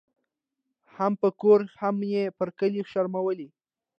هم پر کور هم یې پر کلي شرمولې